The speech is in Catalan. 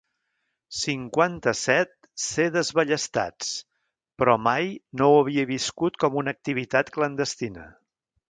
Cinquanta-set ser desballestats però mai no ho havia viscut com una activitat clandestina.